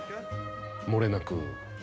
もれなく。